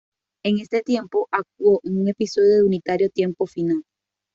En ese tiempo actúo en un episodio del unitario Tiempo final.